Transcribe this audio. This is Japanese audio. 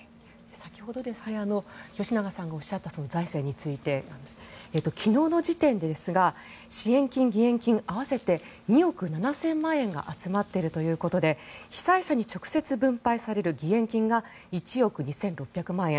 先ほど、吉永さんがおっしゃった財政について昨日の時点でですが支援金、義援金合わせて２億７０００万円が集まっているということで被災者に直接分配される義援金が１億２６００万円。